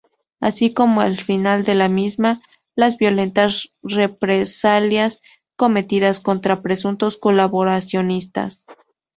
Así como al final de la misma las violentas represalias cometidas contra presuntos colaboracionistas.